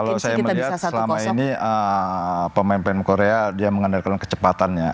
kalau saya melihat selama ini pemain pemain korea dia mengandalkan kecepatannya